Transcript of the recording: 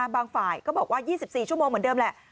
ฝ่ายก็บอกว่า๒๔ชั่วโมงเหมือนเดิมแหละ